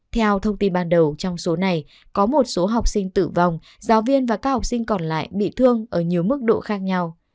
theo thông tin ban đầu trong số này có một số học sinh tử vong giáo viên và các học sinh còn lại bị thương ở nhiều mức độ khác nhau